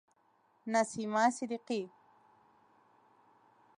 نسیمه صدیقی